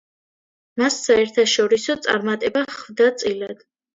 მას საერთაშორისო წარმატება ხვდა წილად.